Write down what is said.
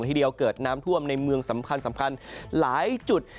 ทีเดียวเกิดน้ำท่วมในเมืองสำคัญสำคัญหลายจุด